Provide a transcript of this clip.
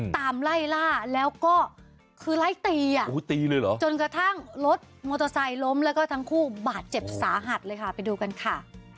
ตามไล่ล่าแล้วก็คือไล่ตีอ่ะตีเลยเหรอจนกระทั่งรถมอเตอร์ไซค์ล้มแล้วก็ทั้งคู่บาดเจ็บสาหัสเลยค่ะไปดูกันค่ะ